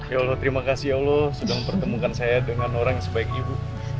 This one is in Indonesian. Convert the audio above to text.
ya allah terima kasih allah sudah mempertemukan saya dengan orang yang sebaik ibu